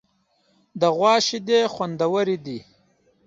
د غوا شیدې خوندورې دي.